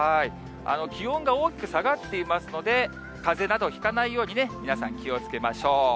気温が大きく下がっていますので、かぜなどひかないように、皆さん、気をつけましょう。